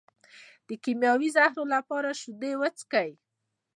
د کیمیاوي زهرو لپاره شیدې وڅښئ